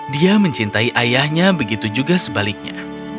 dia mencintai ayahnya begitu juga sebaliknya